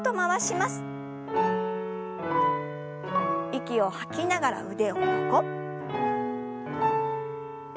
息を吐きながら腕を横。